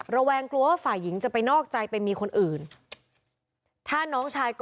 ระแวงกลัวว่าฝ่ายหญิงจะเจอคนอื่น